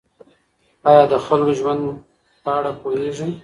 آیا د خلکو د ژوند په اړه پوهېږئ؟